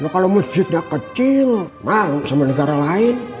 kalau masjidnya kecil malu sama negara lain